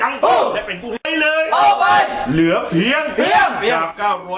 มันคว้างหนึ่งกิโลครับ